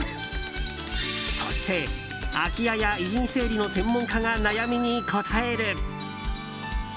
そして、空き家や遺品整理の専門家が悩みに答える。